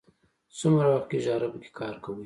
څومره وخت کېږي عربو کې کار کوئ.